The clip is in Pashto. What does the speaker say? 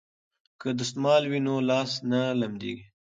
که دستمال وي نو لاس نه لمدیږي.